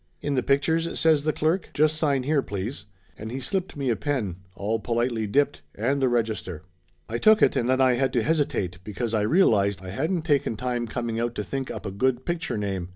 "In the pictures?" says the clerk. "Just sign here, please !" And he slipped me a pen, all politely dipped, and the register. I took it, and then I had to hesitate Laughter Limited 77 because I realized I hadn't taken time coming out to think up a good picture name.